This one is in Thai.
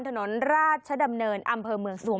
ถนนราชดำเนินอำเภอเมืองสวง